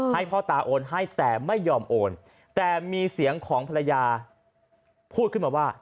ให้พ่อตาโอนให้แต่ไม่ยอมโอนแต่มีเสียงของภรรยาพูดขึ้นมาว่า